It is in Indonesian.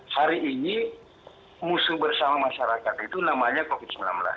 hari ini musuh bersama masyarakat itu namanya covid sembilan belas